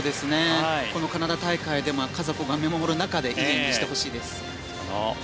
このカナダ大会で家族が見守る中でチャレンジしてほしいです。